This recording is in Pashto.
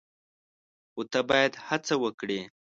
خو ته باید هڅه وکړې !